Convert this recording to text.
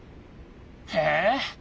へえ。